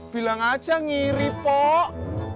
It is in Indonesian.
bilang aja ngiri pok